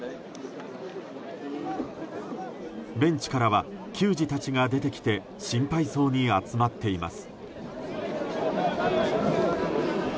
ベンチからは球児たちが出てきて心配そうに集まっています。